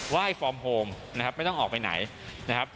ว่ายฟอร์มโฮมนะครับไม่ต้องออกไปไหนนะครับ